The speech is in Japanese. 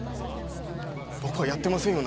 僕はやってませんよ